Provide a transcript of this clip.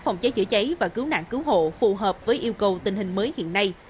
phòng cháy chữa cháy và cứu nạn cứu hộ phù hợp với yêu cầu tình hình mới hiện nay